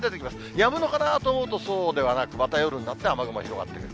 やむのかなと思うと、そうではなく、また夜になって雨雲広がってくる。